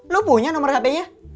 lo punya nomer hpnya